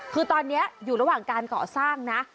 คือตอนนี้อยู่ระหว่างการก่อสร้างนะ